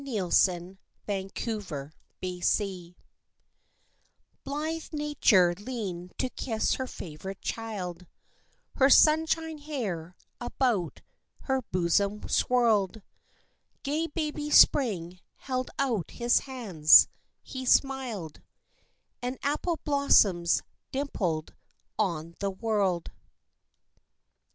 XXVII In May Blithe Nature leaned to kiss her favorite child, Her sunshine hair about her bosom swirled; Gay Baby Spring held out his hands, he smiled, And Apple Blossoms dimpled on the world.